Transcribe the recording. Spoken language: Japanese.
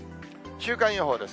週間予報です。